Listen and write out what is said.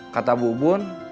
kata bu bun